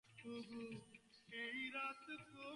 It has its headquarters in Escaldes-Engordany.